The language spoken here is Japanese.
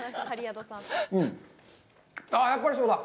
やっぱりそうだ。